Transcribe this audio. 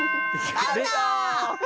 アウト！